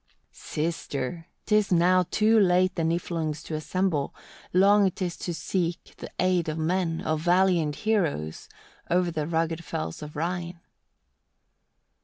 17. "Sister! 'tis now too late the Niflungs to assemble, long 'tis to seek the aid of men, of valiant heroes, over the rugged fells of Rhine."